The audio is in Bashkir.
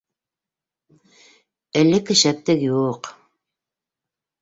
Элекке шәптек юҡ...